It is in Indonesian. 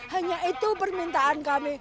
hanya itu permintaan kami